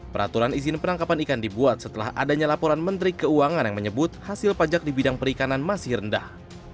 peraturan izin penangkapan ikan dibuat setelah adanya laporan menteri keuangan yang menyebut hasil pajak di bidang perikanan masih rendah